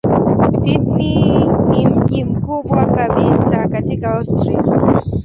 Sydney ni mji mkubwa kabisa katika Australia.